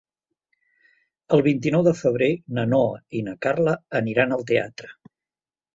El vint-i-nou de febrer na Noa i na Carla aniran al teatre.